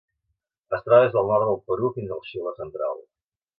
Es troba des del nord del Perú fins al Xile central.